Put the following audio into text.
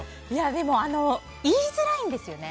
でも、言いづらいんですよね。